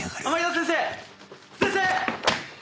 先生！